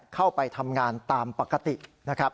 เข้าไปทำงานตามปกตินะครับ